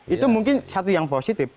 itu mungkin satu yang positif